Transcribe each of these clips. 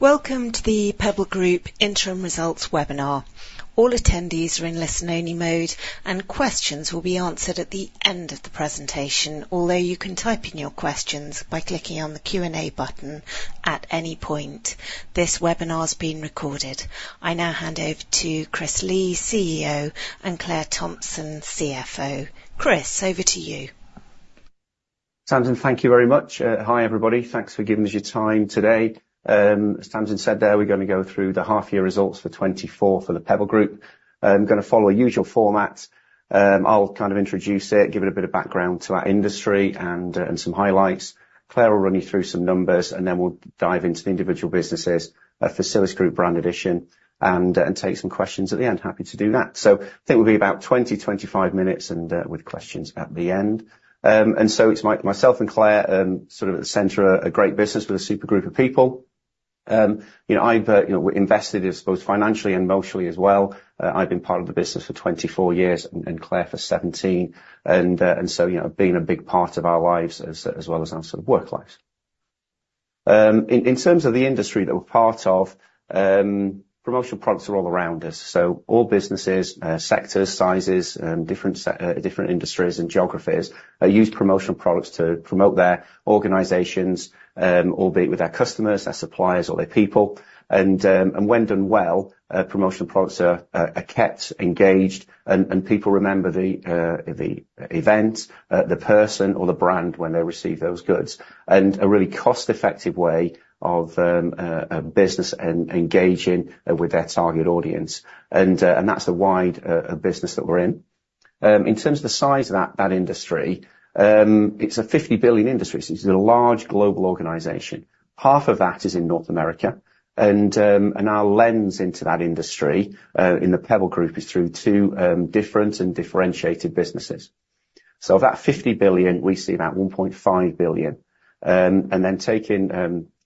Welcome to The Pebble Group Interim Results webinar. All attendees are in listen-only mode, and questions will be answered at the end of the presentation, although you can type in your questions by clicking on the Q&A button at any point. This webinar is being recorded. I now hand over to Chris Lee, CEO, and Claire Thompson, CFO. Chris, over to you. Tamsin, thank you very much. Hi, everybody. Thanks for giving us your time today. As Tamsin said there, we're gonna go through the half year results for 2024 for the Pebble Group. I'm gonna follow a usual format. I'll kind of introduce it, give it a bit of background to our industry and some highlights. Claire will run you through some numbers, and then we'll dive into the individual businesses, at Facilis Group, Brand Addition, and take some questions at the end. Happy to do that. So I think we'll be about 20-25 minutes and with questions at the end. And so it's myself and Claire, sort of at the center, a great business with a super group of people. You know, I've you know, invested both financially and emotionally as well. I've been part of the business for 24 years and Claire for 17, and so, you know, being a big part of our lives as well as our sort of work lives. In terms of the industry that we're part of, promotional products are all around us. So all businesses, sectors, sizes, different industries and geographies use promotional products to promote their organizations, or be it with their customers, their suppliers, or their people. And when done well, promotional products are kept engaged and people remember the event, the person or the brand when they receive those goods. And a really cost-effective way of a business engaging with their target audience, and that's the wide business that we're in. In terms of the size of that industry, it's a $50 billion industry. It's a large global organization. Half of that is in North America, and our lens into that industry in The Pebble Group is through two different and differentiated businesses. Of that $50 billion, we see about $1.5 billion, and then taking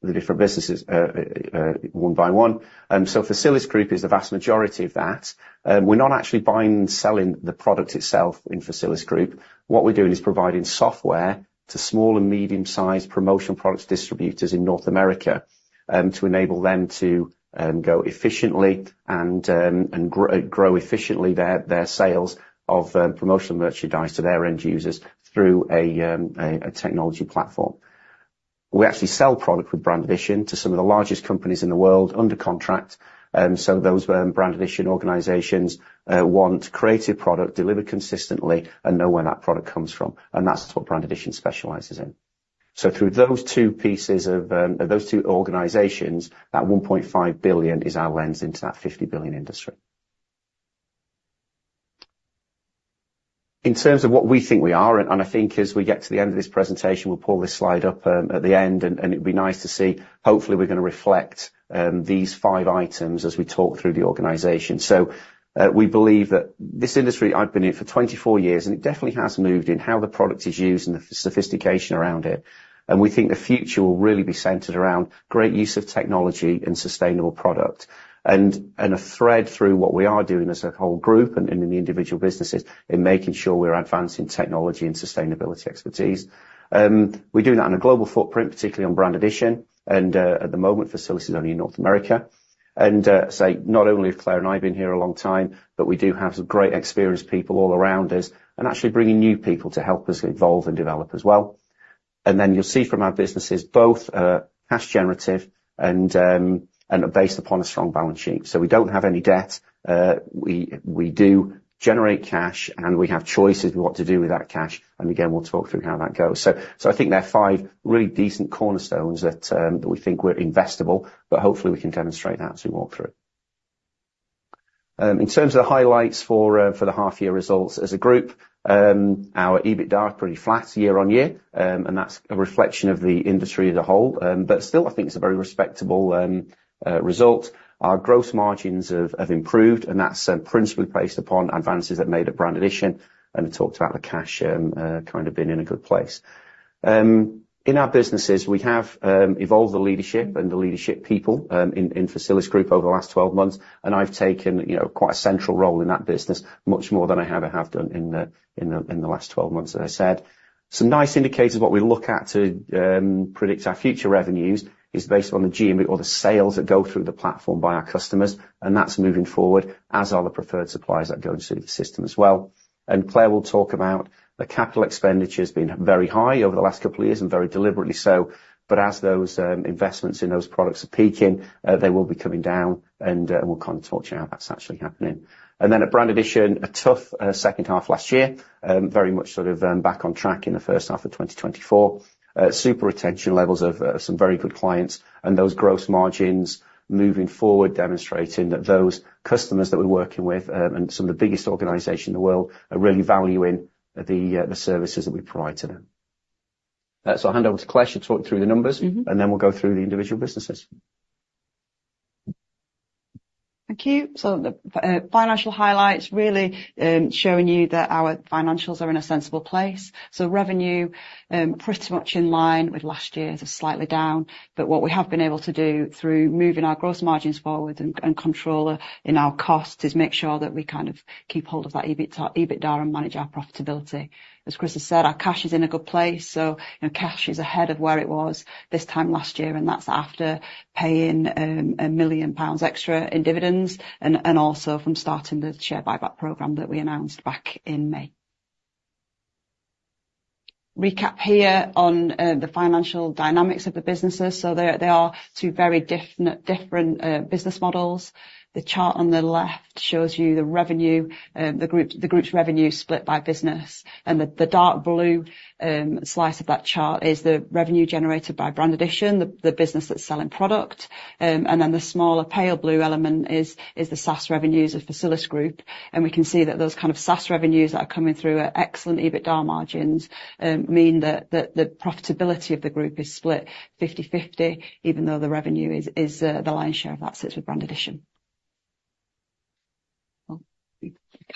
the different businesses one by one, so Facilis Group is the vast majority of that. We're not actually buying and selling the product itself in Facilis Group. What we're doing is providing software to small and medium-sized promotional products distributors in North America to enable them to go efficiently and grow efficiently their sales of promotional merchandise to their end users through a technology platform. We actually sell product with Brand Addition to some of the largest companies in the world under contract. So those Brand Addition organizations want creative product delivered consistently and know where that product comes from, and that's what Brand Addition specializes in. So through those two pieces of those two organizations, that 1.5 billion is our lens into that 50 billion industry. In terms of what we think we are, and I think as we get to the end of this presentation, we'll pull this slide up at the end, and it'll be nice to see. Hopefully, we're gonna reflect these five items as we talk through the organization. So we believe that this industry. I've been in it for twenty-four years, and it definitely has moved in how the product is used and the sophistication around it. And we think the future will really be centered around great use of technology and sustainable product. And, and a thread through what we are doing as a whole group and in the individual businesses, in making sure we're advancing technology and sustainability expertise. We're doing that on a global footprint, particularly on Brand Addition, and, at the moment, Facilisgroup is only in North America. And, say, not only have Claire and I been here a long time, but we do have some great, experienced people all around us, and actually bringing new people to help us evolve and develop as well. And then you'll see from our businesses, both, cash generative and, and are based upon a strong balance sheet. So we don't have any debt. We do generate cash, and we have choices we want to do with that cash, and again, we'll talk through how that goes. So I think there are five really decent cornerstones that we think we're investable, but hopefully, we can demonstrate that as we walk through. In terms of the highlights for the half year results as a group, our EBITDA are pretty flat year on year, and that's a reflection of the industry as a whole, but still, I think it's a very respectable result. Our gross margins have improved, and that's principally based upon advances that are made at Brand Addition, and we talked about the cash kind of being in a good place. In our businesses, we have evolved the leadership and the leadership people in Facilis Group over the last twelve months, and I've taken, you know, quite a central role in that business, much more than I ever have done in the last twelve months, as I said. Some nice indicators, what we look at to predict our future revenues is based on the GM or the sales that go through the platform by our customers, and that's moving forward, as are the preferred suppliers that go into the system as well. And Claire will talk about the capital expenditures being very high over the last couple of years and very deliberately so. But as those investments in those products are peaking, they will be coming down, and we'll kind of talk to you how that's actually happening. And then at Brand Addition, a tough second half last year, very much sort of back on track in the first half of twenty twenty-four. Super retention levels of some very good clients, and those gross margins moving forward, demonstrating that those customers that we're working with and some of the biggest organizations in the world are really valuing the services that we provide to them, so I'll hand over to Claire. She'll talk through the numbers- Mm-hmm. And then we'll go through the individual businesses. Thank you. So the financial highlights really showing you that our financials are in a sensible place. So revenue pretty much in line with last year's, slightly down. But what we have been able to do through moving our gross margins forward and control in our costs is make sure that we kind of keep hold of that EBIT, EBITDA and manage our profitability. As Chris has said, our cash is in a good place, so you know, cash is ahead of where it was this time last year, and that's after paying 1 million pounds extra in dividends and also from starting the share buyback program that we announced back in May. Recap here on the financial dynamics of the businesses. So they are two very different business models. The chart on the left shows you the revenue, the group's revenue split by business. The dark blue slice of that chart is the revenue generated by Brand Addition, the business that's selling product. And then, the smaller pale blue element is the SaaS revenues of Facilis Group, and we can see that those kind of SaaS revenues that are coming through at excellent EBITDA margins mean that the profitability of the group is split fifty-fifty, even though the revenue is the lion's share of that sits with Brand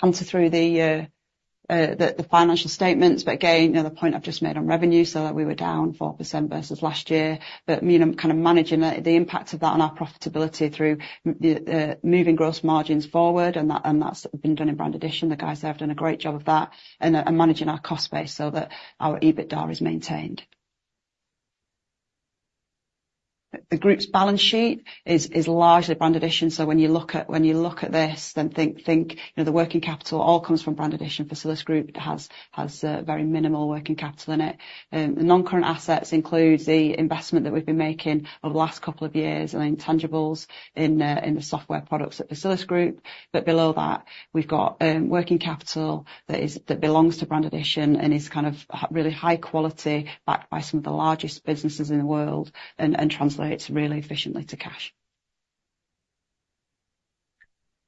Addition. We go through the financial statements, but again, you know, the point I've just made on revenue, so like we were down 4% versus last year. But, you know, kind of managing the impact of that on our profitability through moving gross margins forward, and that, and that's been done in Brand Addition. The guys there have done a great job of that and managing our cost base so that our EBITDA is maintained. The group's balance sheet is largely Brand Addition. So when you look at this, then think, you know, the working capital all comes from Brand Addition. Facilis Group has very minimal working capital in it. The non-current assets includes the investment that we've been making over the last couple of years in intangibles, in the software products at Facilis Group. But below that, we've got working capital that belongs to Brand Addition and is kind of really high quality, backed by some of the largest businesses in the world and translates really efficiently to cash.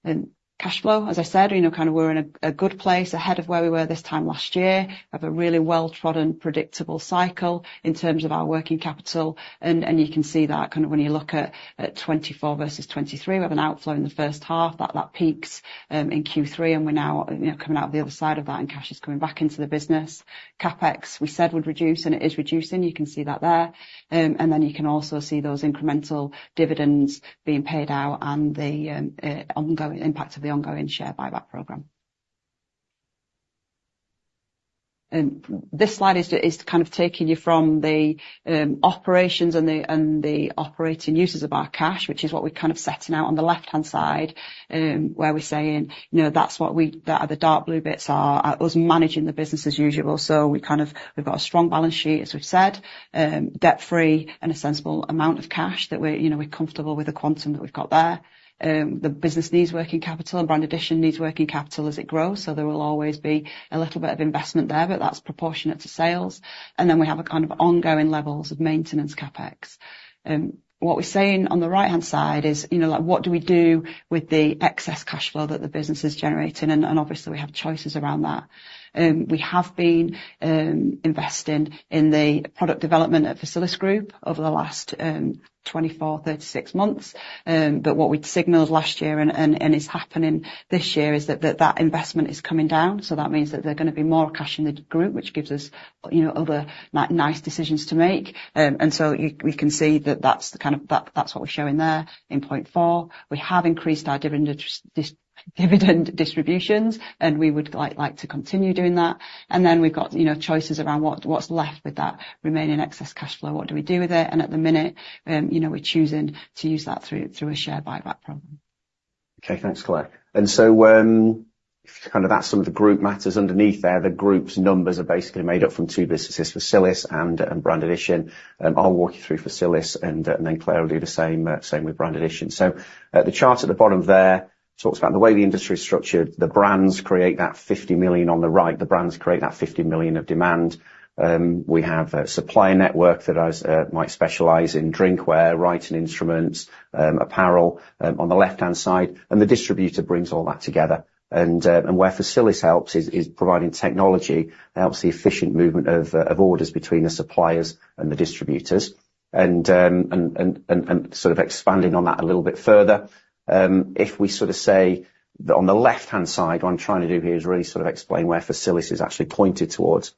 And cash flow, as I said, you know, kind of we're in a good place ahead of where we were this time last year, of a really well-trodden, predictable cycle in terms of our working capital. And you can see that kind of when you look at 2024 versus 2023, we have an outflow in the first half. That peaks in Q3, and we're now, you know, coming out the other side of that, and cash is coming back into the business. CapEx, we said, would reduce, and it is reducing. You can see that there. And then you can also see those incremental dividends being paid out and the ongoing impact of the ongoing share buyback program. This slide is kind of taking you from the operations and the operating uses of our cash, which is what we're kind of setting out on the left-hand side, where we're saying, you know, that's what we, the dark blue bits are, us managing the business as usual. So we've got a strong balance sheet, as we've said, debt-free and a sensible amount of cash that we're, you know, we're comfortable with the quantum that we've got there. The business needs working capital, and Brand Addition needs working capital as it grows, so there will always be a little bit of investment there, but that's proportionate to sales. And then, we have a kind of ongoing levels of maintenance CapEx. What we're saying on the right-hand side is, you know, like, what do we do with the excess cash flow that the business is generating? And obviously, we have choices around that. We have been investing in the product development at Facilis Group over the last twenty-four, thirty-six months. But what we'd signaled last year and is happening this year is that investment is coming down. So that means that there's gonna be more cash in the group, which gives us, you know, other nice decisions to make. And so we can see that that's the kind of, that's what we're showing there in point four. We have increased our dividend distributions, and we would like to continue doing that. And then we've got, you know, choices around what, what's left with that remaining excess cash flow. What do we do with it? And at the minute, you know, we're choosing to use that through a share buyback program. Okay, thanks, Claire. So, kind of about some of the group matters underneath there, the group's numbers are basically made up from two businesses, Facilis and Brand Addition. I'll walk you through Facilis and then Claire will do the same with Brand Addition. The chart at the bottom there talks about the way the industry is structured. The brands create that 50 million on the right, the brands create that 50 million of demand. We have a supplier network that might specialize in drinkware, writing instruments, apparel on the left-hand side, and the distributor brings all that together. And where Facilis helps is providing technology that helps the efficient movement of orders between the suppliers and the distributors. Expanding on that a little bit further, if we sort of say that on the left-hand side, what I'm trying to do here is really sort of explain where Facilis is actually pointed towards.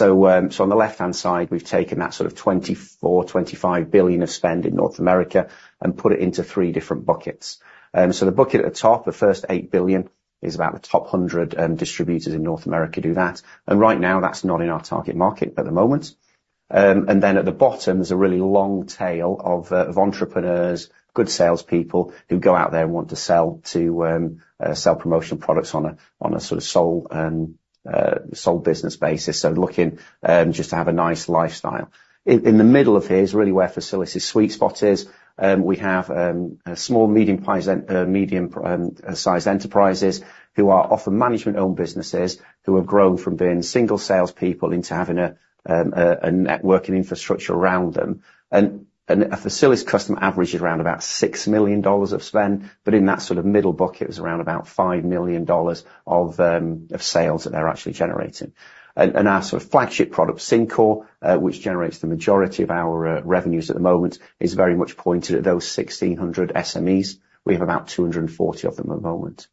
On the left-hand side, we've taken that sort of $24-25 billion of spend in North America and put it into three different buckets. The bucket at the top, the first $8 billion, is about the top 100 distributors in North America do that, and right now, that's not in our target market at the moment. And then, at the bottom, there's a really long tail of entrepreneurs, good salespeople, who go out there and want to sell promotional products on a sort of sole business basis, so looking just to have a nice lifestyle. In the middle of here is really where Facilisgroup's sweet spot is. We have a small, medium-sized enterprises who are often management-owned businesses who have grown from being single salespeople into having a networking infrastructure around them. And a Facilisgroup customer averages around about $6 million of spend, but in that sort of middle bucket, it's around about $5 million of sales that they're actually generating. Our sort of flagship product, Syncore, which generates the majority of our revenues at the moment, is very much pointed at those 1,600 SMEs. We have about 240 of them at the moment.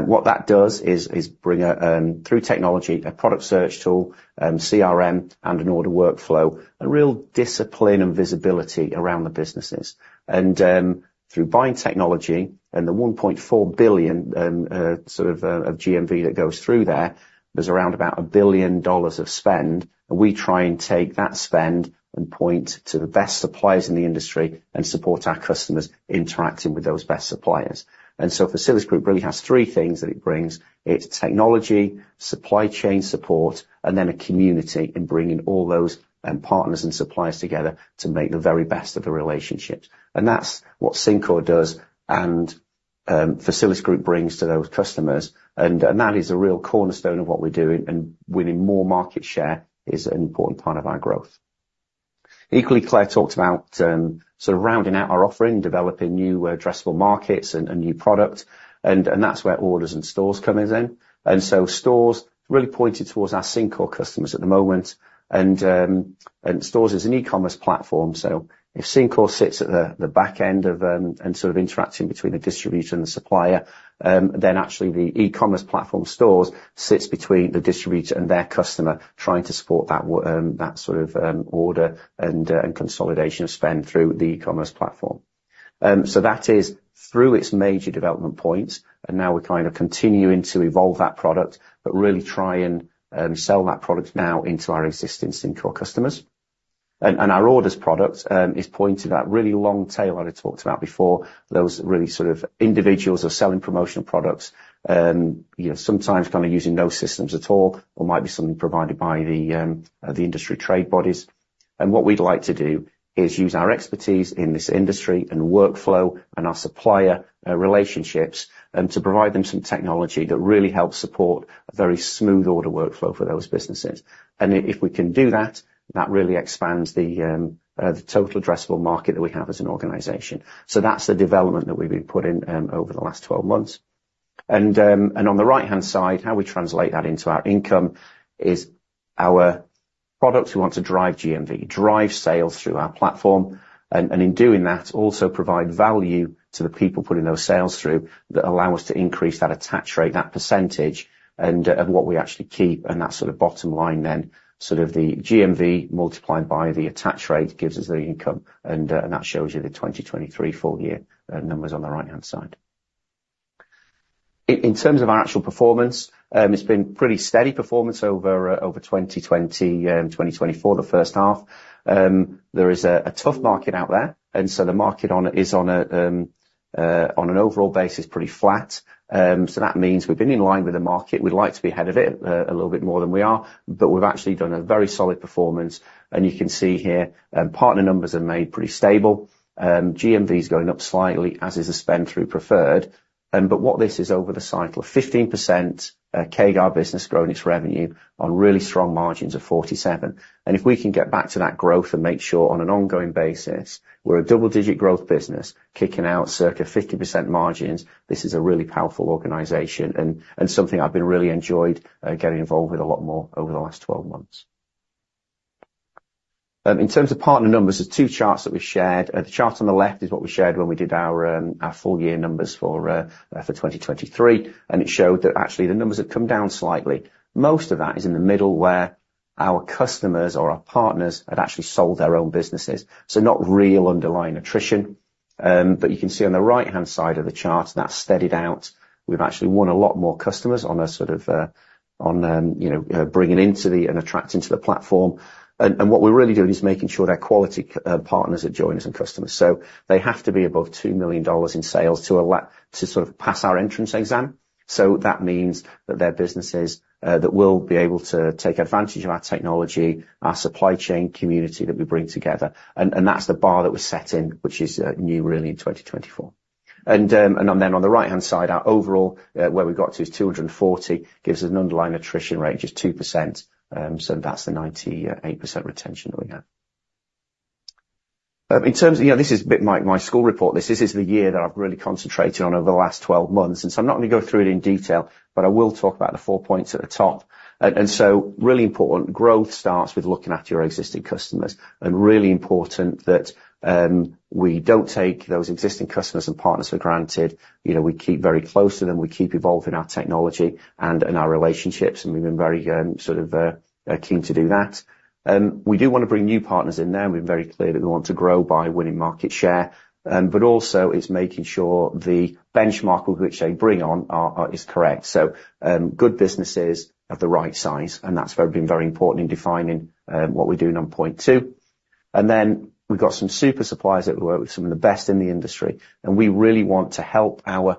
What that does is bring, through technology, a product search tool, CRM, and an order workflow, a real discipline and visibility around the businesses. And through buying technology and the 1.4 billion GMV that goes through there, there's around about $1 billion of spend. And we try and take that spend and point to the best suppliers in the industry and support our customers interacting with those best suppliers. And so Facilisgroup really has three things that it brings. It's technology, supply chain support, and then a community, and bringing all those and partners and suppliers together to make the very best of the relationships, and that's what Syncore does, and Facilisgroup brings to those customers, and that is a real cornerstone of what we're doing, and winning more market share is an important part of our growth. Equally, Claire talked about sort of rounding out our offering, developing new addressable markets and new product, and that's where Orders and Stores come in then, and so Stores really pointed towards our Syncore customers at the moment, and Stores is an e-commerce platform. So if Syncore sits at the back end and sort of interacting between the distributor and the supplier, then actually the e-commerce platform Stores sits between the distributor and their customer, trying to support that sort of order and consolidation of spend through the e-commerce platform. So that is through its major development points, and now we're kind of continuing to evolve that product, but really try and sell that product now into our existing Syncore customers. And our Orders product is pointing to that really long tail that I talked about before. Those really sort of individuals who are selling promotional products, you know, sometimes kind of using no systems at all, or might be something provided by the industry trade bodies. What we'd like to do is use our expertise in this industry and workflow and our supplier relationships to provide them some technology that really helps support a very smooth order workflow for those businesses. If we can do that, that really expands the total addressable market that we have as an organization. That's the development that we've been putting over the last twelve months. And on the right-hand side, how we translate that into our income is our products. We want to drive GMV, drive sales through our platform, and in doing that, also provide value to the people putting those sales through that allow us to increase that attach rate, that percentage, and what we actually keep and that sort of bottom line then. Sort of the GMV multiplied by the attach rate gives us the income, and that shows you the 2023 full year numbers on the right-hand side. In terms of our actual performance, it's been pretty steady performance over 2020, 2024, the first half. There is a tough market out there, and so the market on it is on an overall basis, pretty flat, so that means we've been in line with the market. We'd like to be ahead of it, a little bit more than we are, but we've actually done a very solid performance. And you can see here, partner numbers are made pretty stable. GMV is going up slightly, as is the spend through Preferred. But what this is over the cycle of 15% CAGR business growing its revenue on really strong margins of 47%. And if we can get back to that growth and make sure on an ongoing basis, we're a double-digit growth business, kicking out circa 50% margins, this is a really powerful organization and, and something I've been really enjoyed, getting involved with a lot more over the last 12 months. In terms of partner numbers, there's two charts that we shared. The chart on the left is what we shared when we did our full year numbers for 2023, and it showed that actually the numbers have come down slightly. Most of that is in the middle, where our customers or our partners have actually sold their own businesses, so not real underlying attrition. But you can see on the right-hand side of the chart, that's steadied out. We've actually won a lot more customers on a sort of you know bringing into the and attracting to the platform. And what we're really doing is making sure they're quality partners that join us and customers. So they have to be above $2 million in sales to allow to sort of pass our entrance exam. So that means that they're businesses that will be able to take advantage of our technology, our supply chain community that we bring together. And that's the bar that we're set in, which is new really in 2024. And then on the right-hand side, our overall where we got to is 240, gives us an underlying attrition rate, just 2%. So that's the 98% retention that we have. In terms of... You know, this is a bit my school report. This is the year that I've really concentrated on over the last 12 months, and so I'm not going to go through it in detail, but I will talk about the 4 points at the top. Really important, growth starts with looking after your existing customers, and really important that we don't take those existing customers and partners for granted. You know, we keep very close to them. We keep evolving our technology and our relationships, and we've been very sort of keen to do that. We do want to bring new partners in there, and we're very clear that we want to grow by winning market share, but also it's making sure the benchmark with which they bring on is correct, so good businesses of the right size, and that's been very important in defining what we're doing on point two. And then we've got some super suppliers that we work with, some of the best in the industry, and we really want to help our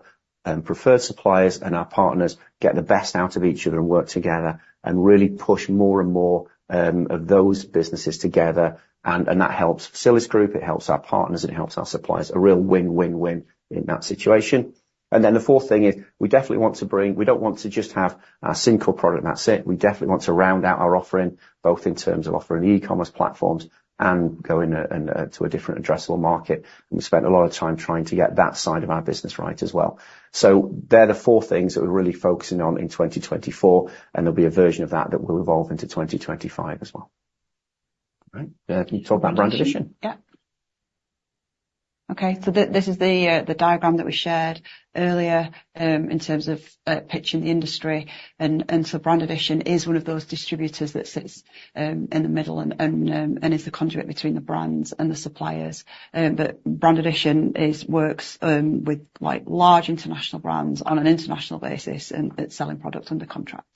preferred suppliers and our partners get the best out of each other and work together and really push more and more of those businesses together, and that helps Facilisgroup, it helps our partners, and it helps our suppliers. A real win-win-win in that situation. And then the fourth thing is we definitely want to bring- we don't want to just have our Syncore product, and that's it. We definitely want to round out our offering, both in terms of offering e-commerce platforms and going to a different addressable market. And we spent a lot of time trying to get that side of our business right as well. So they're the four things that we're really focusing on in twenty twenty-four, and there'll be a version of that that will evolve into twenty twenty-five as well. All right, can you talk about Brand Addition? Yeah. Okay, so this is the diagram that we shared earlier, in terms of pitching the industry. And so Brand Addition is one of those distributors that sits in the middle and is the conduit between the brands and the suppliers. But Brand Addition works with like large international brands on an international basis, and it's selling products under contract.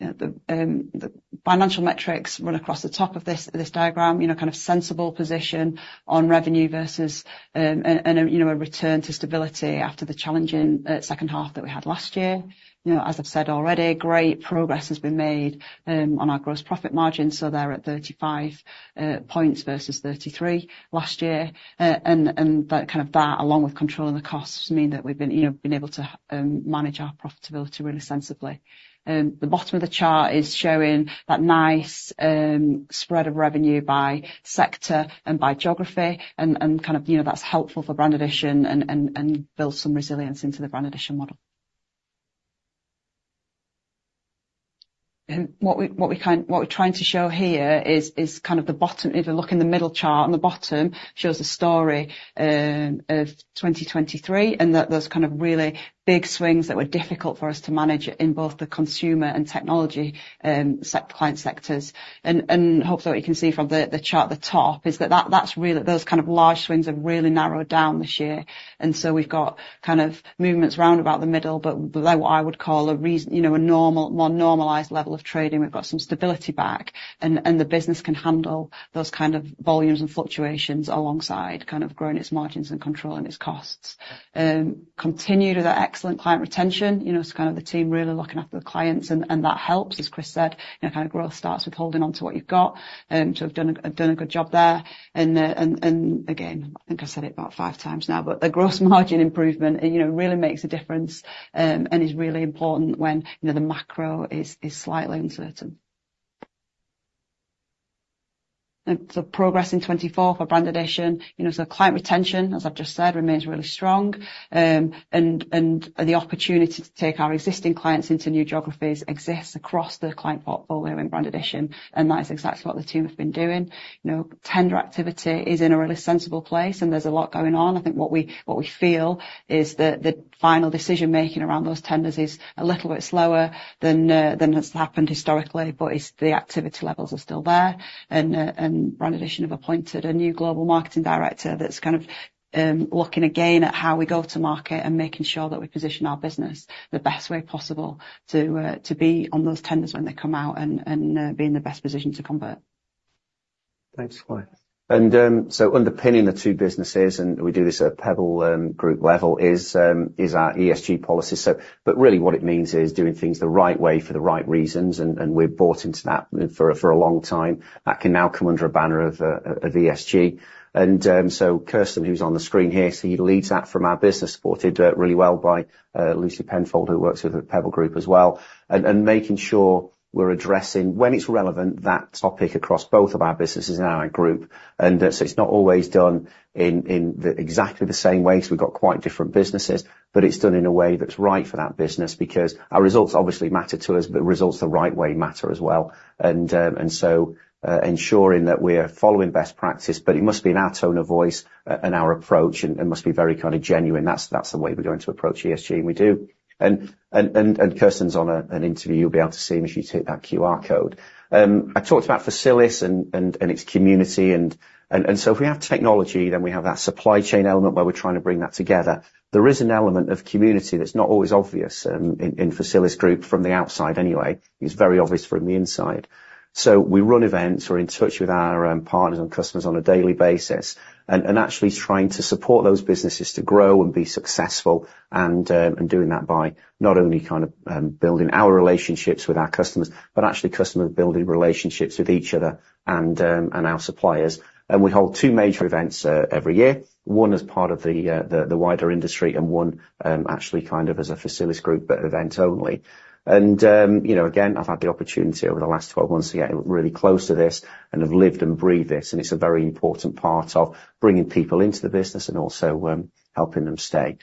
Yeah, the financial metrics run across the top of this diagram, you know, kind of sensible position on revenue versus and a return to stability after the challenging second half that we had last year. You know, as I've said already, great progress has been made on our gross profit margin, so they're at 35 points versus 33 last year. That kind of that, along with controlling the costs, mean that we've been, you know, been able to manage our profitability really sensibly. The bottom of the chart is showing that nice spread of revenue by sector and by geography and kind of, you know, that's helpful for Brand Addition and build some resilience into the Brand Addition model. What we're trying to show here is kind of the bottom. If you look in the middle chart, on the bottom shows a story of 2023, and that there's kind of really big swings that were difficult for us to manage in both the consumer and technology client sectors. Hopefully, what you can see from the chart at the top is that that's really those kind of large swings have really narrowed down this year, and so we've got kind of movements round about the middle, but what I would call you know, a normal, more normalized level of trading. We've got some stability back, and the business can handle those kind of volumes and fluctuations alongside kind of growing its margins and controlling its costs. Continued with that excellent client retention, you know, so kind of the team really looking after the clients, and that helps, as Chris said, you know, kind of growth starts with holding on to what you've got. So we've done a good job there. And again, I think I said it about five times now, but the gross margin improvement, you know, really makes a difference, and is really important when, you know, the macro is slightly uncertain. So progress in 2024 for Brand Addition, you know, so client retention, as I've just said, remains really strong. And the opportunity to take our existing clients into new geographies exists across the client portfolio in Brand Addition, and that is exactly what the team have been doing. You know, tender activity is in a really sensible place, and there's a lot going on. I think what we feel is that the final decision-making around those tenders is a little bit slower than has happened historically, but it's the activity levels are still there. Brand Addition have appointed a new global marketing director that's kind of looking again at how we go to market and making sure that we position our business the best way possible to be on those tenders when they come out and be in the best position to convert. Thanks, Chloe, and so underpinning the two businesses, and we do this at a Pebble Group level, is our ESG policy. So but really what it means is doing things the right way for the right reasons, and we've bought into that for a long time. That can now come under a banner of ESG. And so Kieran, who's on the screen here, so he leads that from our business, supported really well by Lucy Penfold, who works with the Pebble Group as well, and making sure we're addressing, when it's relevant, that topic across both of our businesses and our group. It's not always done in exactly the same way, so we've got quite different businesses, but it's done in a way that's right for that business, because our results obviously matter to us, but results the right way matter as well. Ensuring that we're following best practice, but it must be in our tone of voice and our approach and must be very kind of genuine. That's the way we're going to approach ESG, and we do. Kieran's on an interview. You'll be able to see him as you hit that QR code. I talked about Facilis and its community, and so if we have technology, then we have that supply chain element where we're trying to bring that together. There is an element of community that's not always obvious in Facilis Group from the outside anyway. It's very obvious from the inside. So we run events. We're in touch with our partners and customers on a daily basis, and actually trying to support those businesses to grow and be successful, and doing that by not only kind of building our relationships with our customers, but actually customers building relationships with each other and our suppliers, and we hold two major events every year, one as part of the wider industry, and one actually kind of as a Facilis Group event only. You know, again, I've had the opportunity over the last twelve months to get really close to this and have lived and breathed this, and it's a very important part of bringing people into the business and also helping them stay.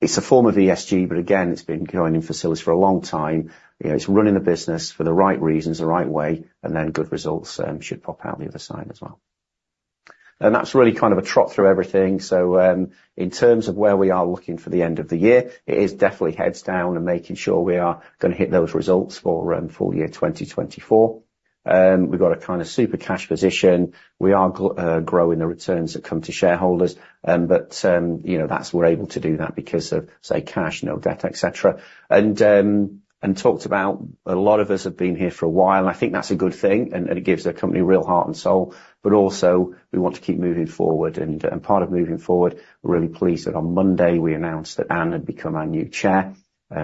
It's a form of ESG, but again, it's been going in Facilisgroup for a long time. You know, it's running the business for the right reasons, the right way, and then good results should pop out the other side as well. That's really kind of a trot through everything. In terms of where we are looking for the end of the year, it is definitely heads down and making sure we are gonna hit those results for full year twenty twenty-four. We've got a kind of super cash position. We are growing the returns that come to shareholders, but you know, that's we're able to do that because of, say, cash, no debt, et cetera, and talked about a lot of us have been here for a while, and I think that's a good thing, and it gives the company real heart and soul, but also we want to keep moving forward, and part of moving forward, we're really pleased that on Monday, we announced that Anne had become our new Chair.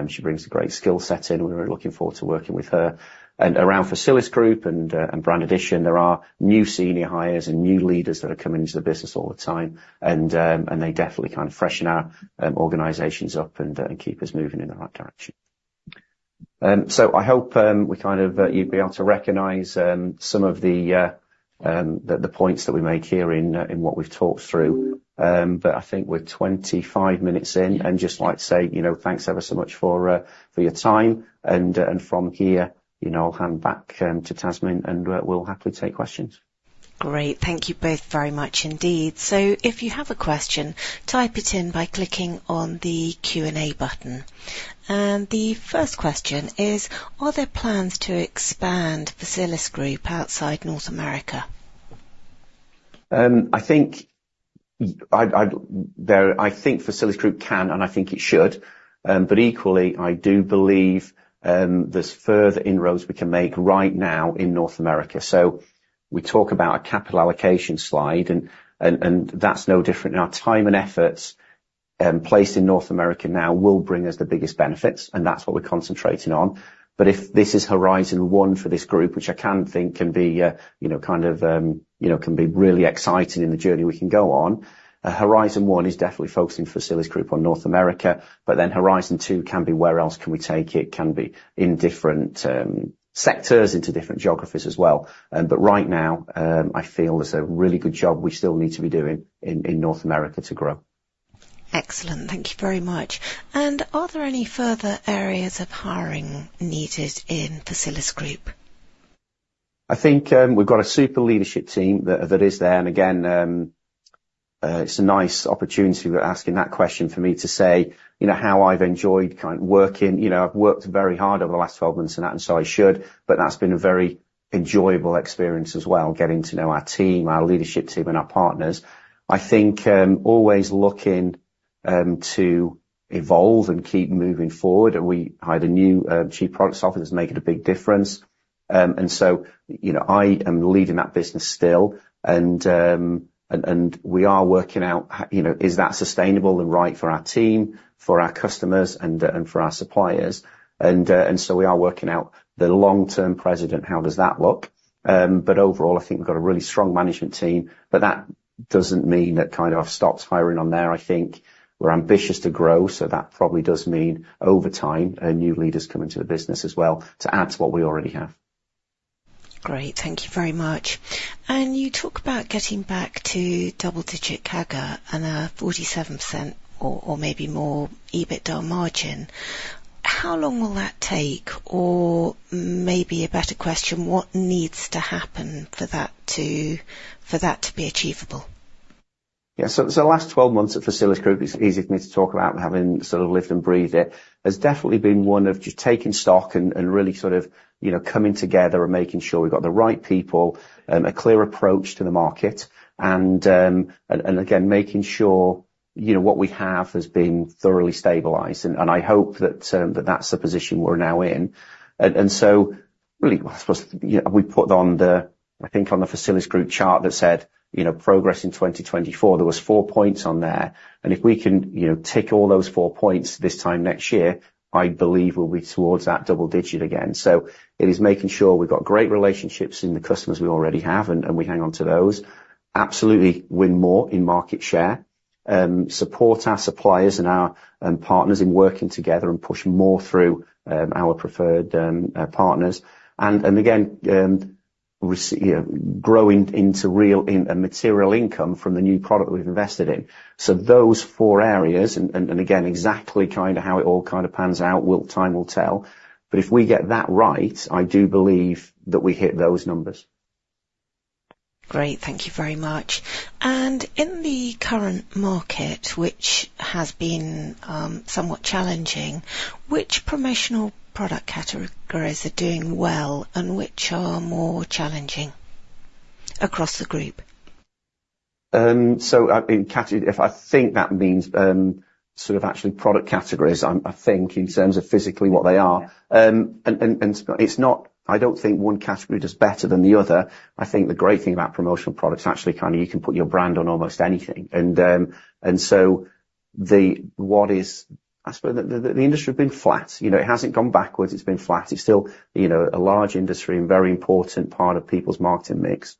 She brings a great skill set in. We're really looking forward to working with her. And around Facilis Group and Brand Addition, there are new senior hires and new leaders that are coming into the business all the time, and they definitely kind of freshen our organizations up and keep us moving in the right direction. I hope we kind of you'd be able to recognize some of the points that we make here in what we've talked through. But I think we're 25 minutes in, and just like to say, you know, thanks ever so much for your time. And from here, you know, I'll hand back to Tamsin, and we'll happily take questions. Great. Thank you both very much indeed. So if you have a question, type it in by clicking on the Q&A button. And the first question is: Are there plans to expand Facilis Group outside North America? I think Facilis Group can, and I think it should, but equally, I do believe there's further inroads we can make right now in North America, so we talk about a capital allocation slide, and that's no different. Now, time and efforts placed in North America now will bring us the biggest benefits, and that's what we're concentrating on, but if this is horizon one for this group, which I can think can be, you know, kind of, you know, can be really exciting in the journey we can go on, horizon one is definitely focusing Facilis Group on North America, but then horizon two can be, where else can we take it? It can be in different sectors, into different geographies as well. But right now, I feel there's a really good job we still need to be doing in North America to grow. Excellent. Thank you very much. And are there any further areas of hiring needed in Facilis Group? I think, we've got a super leadership team that is there, and again, it's a nice opportunity for asking that question for me to say, you know, how I've enjoyed kind of working... You know, I've worked very hard over the last 12 months, and that, and so I should, but that's been a very enjoyable experience as well, getting to know our team, our leadership team, and our partners. I think, always looking to evolve and keep moving forward, and we hired a new chief product officer, who's making a big difference. And so, you know, I am leading that business still, and, and we are working out, you know, is that sustainable and right for our team, for our customers, and for our suppliers. And so we are working out the long-term presence, how does that look? But overall, I think we've got a really strong management team, but that doesn't mean that kind of I've stopped hiring on there. I think we're ambitious to grow, so that probably does mean over time, new leaders come into the business as well to add to what we already have. Great. Thank you very much. And you talk about getting back to double-digit CAGR and a 47% or, or maybe more EBITDA margin. How long will that take? Or maybe a better question, what needs to happen for that to, for that to be achievable? Yeah, so the last 12 months at Facilisgroup, it's easy for me to talk about having sort of lived and breathed it. It has definitely been one of just taking stock and really sort of, you know, coming together and making sure we've got the right people, a clear approach to the market, and again, making sure, you know, what we have has been thoroughly stabilized. I hope that that's the position we're now in. So really, I suppose, you know, we put on the, I think on the Facilisgroup chart that said, you know, progress in 2024, there was four points on there. If we can, you know, tick all those four points this time next year, I believe we'll be towards that double digit again. So it is making sure we've got great relationships with the customers we already have, and we hang on to those. Absolutely win more market share, support our suppliers and our partners in working together and pushing more through our preferred partners. And again, you know, growing into a real material income from the new product we've invested in. So those four areas and again, exactly kind of how it all kind of pans out, time will tell. But if we get that right, I do believe that we hit those numbers. Great. Thank you very much and in the current market, which has been somewhat challenging. Which promotional product categories are doing well and which are more challenging across the group? I mean, category, if I think that means sort of actually product categories, I think in terms of physically what they are, and it's not. I don't think one category does better than the other. I think the great thing about promotional products, actually, kind of you can put your brand on almost anything, and so the what is, I suppose, the industry has been flat. You know, it hasn't gone backwards. It's been flat. It's still, you know, a large industry and very important part of people's marketing mix.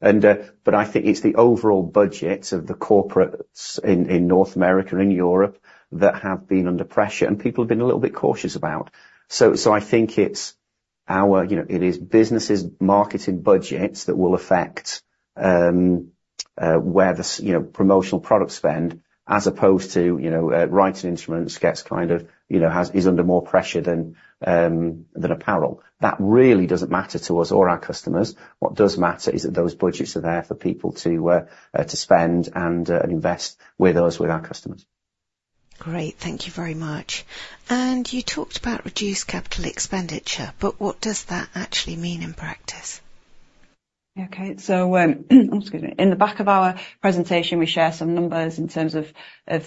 But I think it's the overall budgets of the corporates in North America and Europe that have been under pressure, and people have been a little bit cautious about. I think it's our, you know, it is businesses' marketing budgets that will affect, you know, promotional product spend, as opposed to, you know, writing instruments gets kind of, you know, is under more pressure than apparel. That really doesn't matter to us or our customers. What does matter is that those budgets are there for people to spend and invest with us, with our customers. Great. Thank you very much, and you talked about reduced capital expenditure, but what does that actually mean in practice? Okay. So, excuse me. In the back of our presentation, we share some numbers in terms of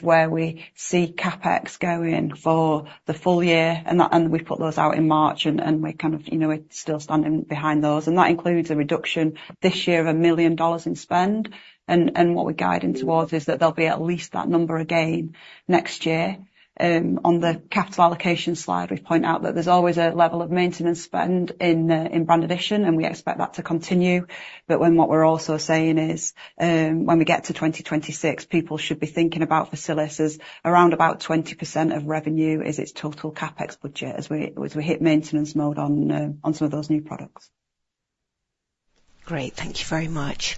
where we see CapEx going for the full year, and we put those out in March, and we're kind of, you know, we're still standing behind those. And that includes a reduction this year of $1 million in spend, and what we're guiding towards is that there'll be at least that number again next year. On the capital allocation slide, we point out that there's always a level of maintenance spend in Brand Addition, and we expect that to continue. What we're also saying is, when we get to 2026, people should be thinking about Facilisgroup as around about 20% of revenue is its total CapEx budget, as we hit maintenance mode on some of those new products. Great. Thank you very much.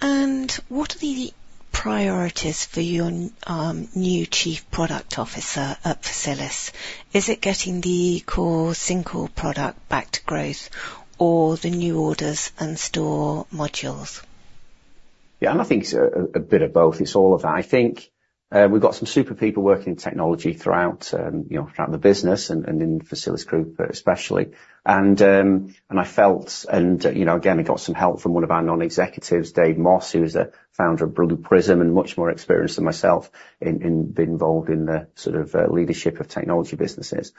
And what are the priorities for your new chief product officer at Facilis? Is it getting the core single product back to growth or the new orders and store modules? Yeah, and I think it's a bit of both. It's all of that. I think we've got some super people working in technology throughout, you know, throughout the business and in Facilisgroup, especially. And I felt, you know, again, I got some help from one of our non-executives, Dave Moss, who is a founder of Blue Prism, and much more experienced than myself in being involved in the sort of leadership of technology businesses.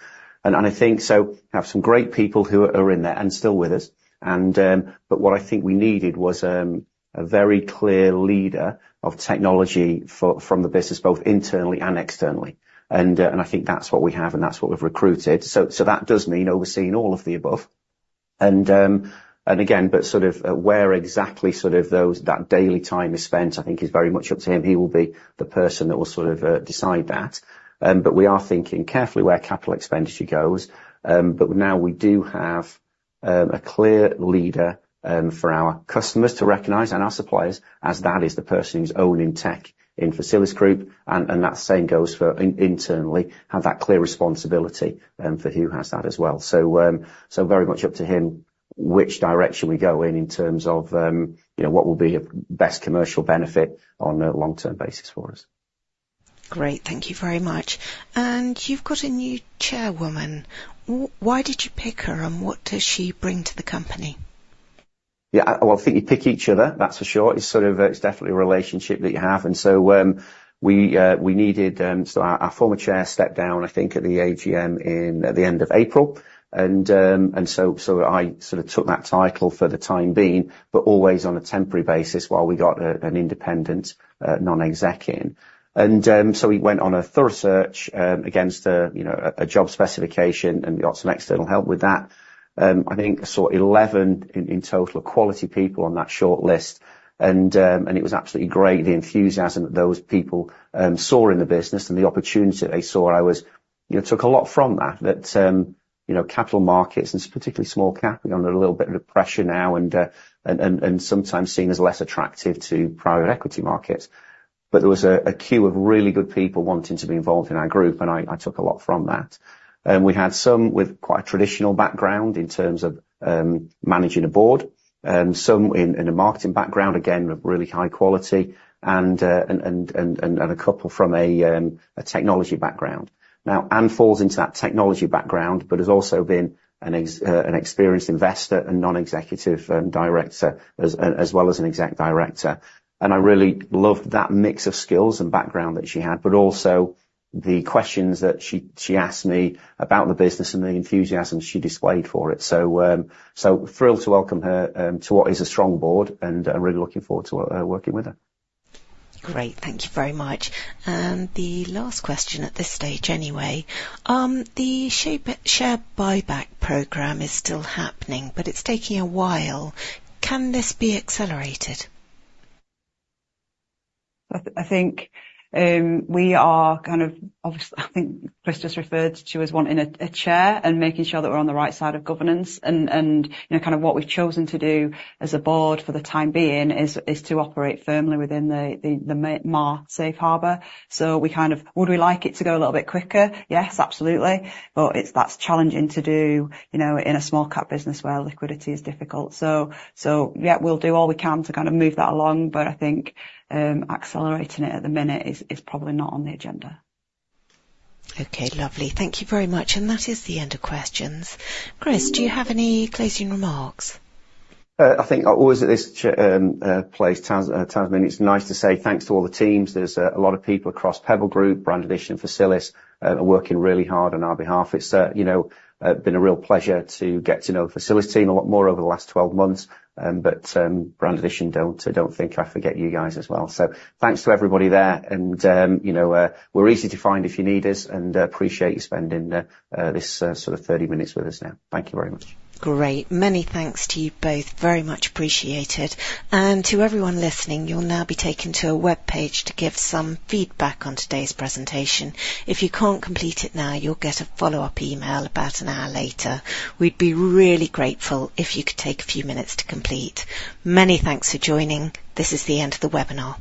And I think so, have some great people who are in there and still with us, and but what I think we needed was a very clear leader of technology from the business, both internally and externally. And I think that's what we have, and that's what we've recruited. So that does mean overseeing all of the above. Again, but sort of where exactly those that daily time is spent, I think is very much up to him. He will be the person that will sort of decide that. We are thinking carefully where capital expenditure goes. Now we do have a clear leader for our customers to recognize and our suppliers, as that is the person who's owning tech in Facilis Group, and that same goes for internally, have that clear responsibility. He has that as well. Very much up to him which direction we go in, in terms of you know what will be of best commercial benefit on a long-term basis for us. Great. Thank you very much. And you've got a new chairwoman. Why did you pick her, and what does she bring to the company? Yeah, well, I think you pick each other, that's for sure. It's sort of, it's definitely a relationship that you have. So our former chair stepped down, I think, at the AGM in the end of April. And so I sort of took that title for the time being, but always on a temporary basis while we got an independent non-exec in. So we went on a thorough search against a job specification, and we got some external help with that. You know, I think I saw 11 in total, quality people on that short list, and it was absolutely great, the enthusiasm that those people saw in the business and the opportunity that they saw. I, you know, took a lot from that, you know, capital markets, and particularly small cap, are under a little bit of pressure now, and sometimes seen as less attractive to private equity markets. But there was a queue of really good people wanting to be involved in our group, and I took a lot from that. We had some with quite a traditional background in terms of managing a board, some in a marketing background, again, of really high quality, and a couple from a technology background. Now, Anne falls into that technology background but has also been an experienced investor and non-executive director, as well as an exec director. I really loved that mix of skills and background that she had, but also the questions that she asked me about the business and the enthusiasm she displayed for it. Thrilled to welcome her to what is a strong board, and really looking forward to working with her. Great. Thank you very much. And the last question at this stage, anyway, the share buyback program is still happening, but it's taking a while. Can this be accelerated? I think we are kind of obvious. I think Chris just referred to us wanting a chair and making sure that we're on the right side of governance, and you know, kind of what we've chosen to do as a board for the time being is to operate firmly within the Safe Harbor. So we kind of... Would we like it to go a little bit quicker? Yes, absolutely. But that's challenging to do, you know, in a small cap business where liquidity is difficult. So yeah, we'll do all we can to kind of move that along, but I think accelerating it at the minute is probably not on the agenda. Okay, lovely. Thank you very much. And that is the end of questions. Chris, do you have any closing remarks? I think always at this place, Tamsin, it's nice to say thanks to all the teams. There's a lot of people across Pebble Group, Brand Addition, Facilisgroup are working really hard on our behalf. It's you know been a real pleasure to get to know the Facilisgroup team a lot more over the last 12 months. But Brand Addition, don't think I forget you guys as well. So thanks to everybody there, and you know we're easy to find if you need us, and appreciate you spending this sort of thirty minutes with us now. Thank you very much. Great. Many thanks to you both, very much appreciated. And to everyone listening, you'll now be taken to a webpage to give some feedback on today's presentation. If you can't complete it now, you'll get a follow-up email about an hour later. We'd be really grateful if you could take a few minutes to complete. Many thanks for joining. This is the end of the webinar.